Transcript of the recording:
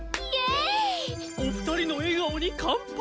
お二人の笑顔に乾杯！